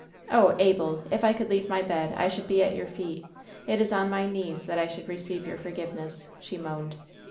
"Oh, Abel ! if I could leave my bed — I should be at your feet ! It is on my knees that I should receive your forgiveness," she moaned.